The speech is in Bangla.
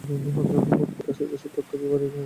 মনকে রাশি রাশি তথ্য দিয়া ভরিয়া রাখার নাম শিক্ষা নয়।